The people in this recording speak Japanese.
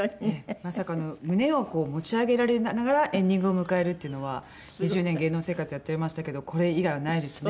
まさか胸をこう持ち上げられながらエンディングを迎えるっていうのは２０年芸能生活やっておりましたけどこれ以外はないですね。